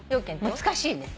難しいね。